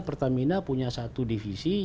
pertamina punya satu divisi